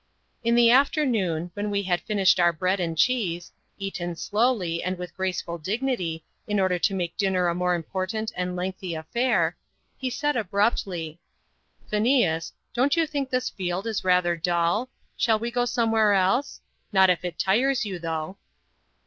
In the afternoon, when we had finished our bread and cheese eaten slowly and with graceful dignity, in order to make dinner a more important and lengthy affair he said abruptly "Phineas, don't you think this field is rather dull? Shall we go somewhere else? not if it tires you, though."